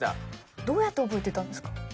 どうやって覚えてたんですか？